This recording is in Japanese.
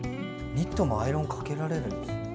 ニットもアイロンかけられるんですね。